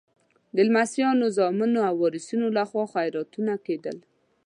د لمسیانو، زامنو او وارثینو لخوا خیراتونه کېدل.